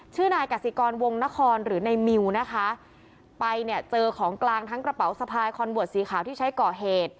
ชื่อนายกสิกรวงนครหรือในมิวนะคะไปเนี่ยเจอของกลางทั้งกระเป๋าสะพายคอนเวิร์ตสีขาวที่ใช้ก่อเหตุ